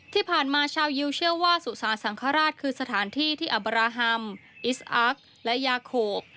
ที่ผ่านมาชาวยิวเชื่อว่าสุสาสังฆราชคือสถานที่ที่อบราฮัมอิสอักและยาโขก